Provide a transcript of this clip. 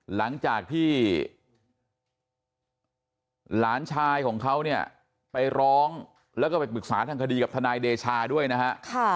หลังจากที่หลานชายของเขาเนี่ยไปร้องแล้วก็ไปปรึกษาทางคดีกับทนายเดชาด้วยนะฮะ